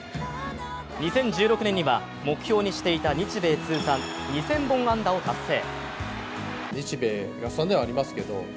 ２０１６年には目標にしていた日米通算２０００本安打を達成。